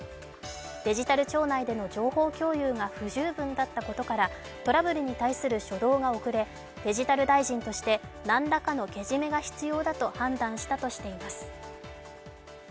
デジタル庁内での情報共有が不十分だったことからトラブルに対する初動が遅れデジタル大臣として何らかのけじめが必要だと判断したとしています。